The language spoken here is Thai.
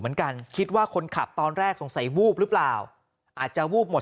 เหมือนกันคิดว่าคนขับตอนแรกสงสัยวูบหรือเปล่าอาจจะวูบหมด